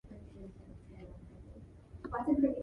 The aid of the saint also is invoked in times of floods.